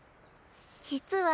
実は。